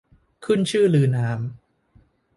ขึ้นชื่อลือนาม